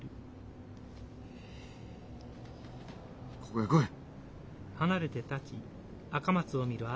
ここへ来い！